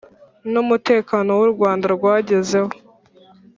n umutekano u Rwanda rwagezeho